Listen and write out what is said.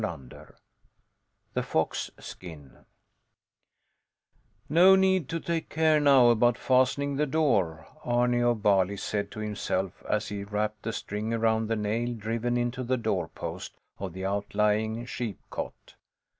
HAGALIN THE FOX SKIN No need to take care now about fastening the door, Arni of Bali said to himself as he wrapped the string around the nail driven into the door post of the outlying sheepcote.